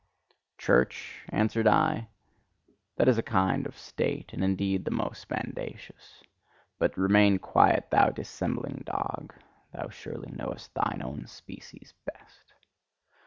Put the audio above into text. "Church?" answered I, "that is a kind of state, and indeed the most mendacious. But remain quiet, thou dissembling dog! Thou surely knowest thine own species best!